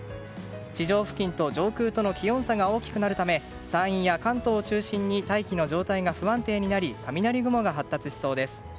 地上付近と上空との気温差が大きくなるため山陰や関東を中心に大気の状態が不安定になり雷雲が発達しそうです。